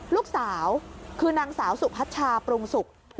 ลูกสาวคือนางสาวสุพัชชาปรุงสุก